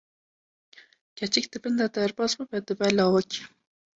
keçik di bin de derbas bibe dibe lawik!